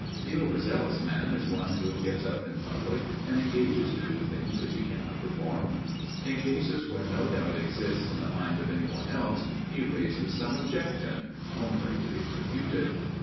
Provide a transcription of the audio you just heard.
The over zealous man is one who gets up in public and engages to do things which he cannot perform. In cases where no doubt exists in the mind of anyone else, he raises some objection—only to be refuted.